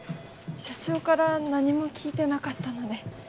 社長から何も聞いてなかったので。